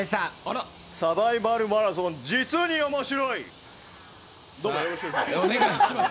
サバイバルマラソン実に面白い！